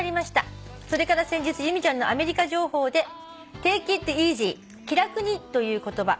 「それから先日由美ちゃんのアメリカ情報で『Ｔａｋｅｉｔｅａｓｙ』『気楽に』という言葉」